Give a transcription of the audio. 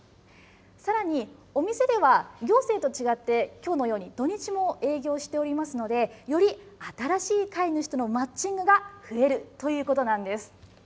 さらにお店では行政と違って、きょうのように土日も営業しておりますので、より新しい飼い主とのマッチングが増えるということなんです。